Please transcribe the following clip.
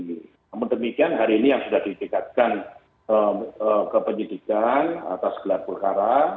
namun demikian hari ini yang sudah ditingkatkan ke penyidikan atas gelar perkara